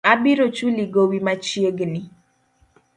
Abiro chuli gowi machiegni